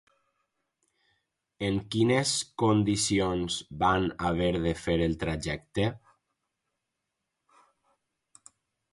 En quines condicions van haver de fer el trajecte?